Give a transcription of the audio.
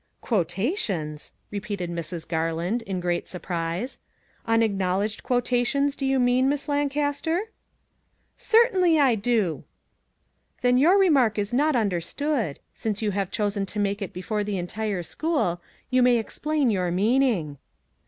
" Quotations !" repeated Mrs. Garland, in great surprise. " Unacknowledged quotations do you mean, Miss Lancaster ?"" Certainly I do." " Then your remark is not understood. Since you have chosen to make it before the entire school, you may explain your meaning."